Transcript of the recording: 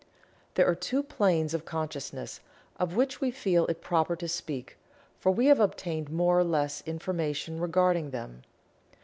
There are two planes of Consciousness, of which we feel it proper to speak, for we have obtained more or less information regarding them.